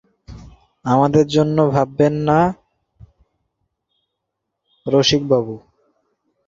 আমাদের জন্যে ভাববেন না রসিকবাবু!